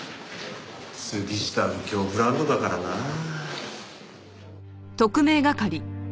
杉下右京ブランドだからなあ。